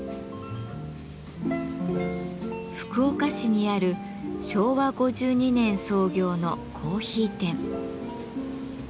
福岡市にある昭和５２年創業のコーヒー店。